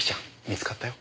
見つかったよ。